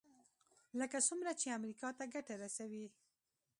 لکه څومره چې امریکا ته ګټه رسوي.